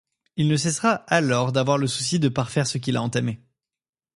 Il ne cessera alors d'avoir le souci de parfaire ce qu'il a entamé.